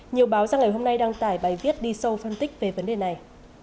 nhiều báo ra ngày hôm nay đăng tải bài viết đi sâu phân tích về vấn đề này